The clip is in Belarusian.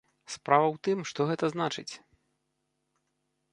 Справа ў тым, што гэта значыць?